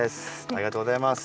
ありがとうございます。